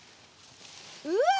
うわ！